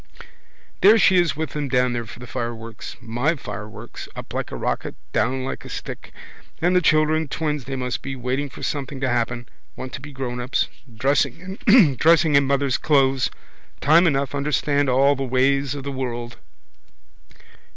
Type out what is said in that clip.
There she is with them down there for the fireworks. My fireworks. Up like a rocket, down like a stick. And the children, twins they must be, waiting for something to happen. Want to be grownups. Dressing in mother's clothes. Time enough, understand all the ways of the world.